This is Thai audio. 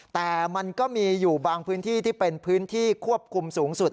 แต่มันก็มีอยู่บางพื้นที่ที่เป็นพื้นที่ควบคุมสูงสุด